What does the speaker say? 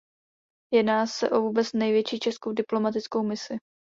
Jedná se o vůbec největší českou diplomatickou misi.